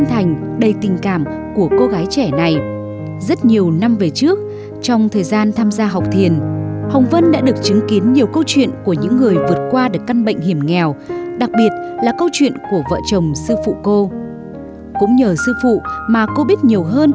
hãy đăng ký kênh để ủng hộ kênh của chúng mình nhé